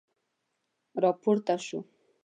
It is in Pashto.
را پورته شو.